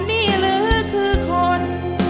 นี่หรือคือคน